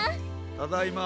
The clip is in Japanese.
ただいま。